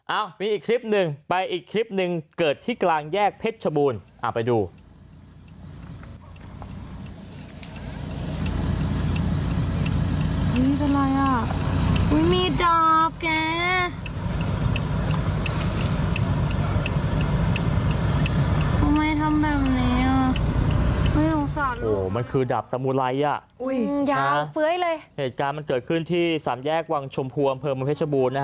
อ่ะมีอีกคลิปหนึ่งไปอีกคลิปหนึ่งเกิดที่กลางแยกเพชรชบูรณ์ไปดู